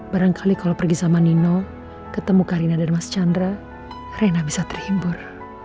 barangkali kalau pergi sama nino ketemu karina dan mas chandra rena bisa terhibur